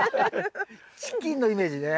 チキンのイメージね。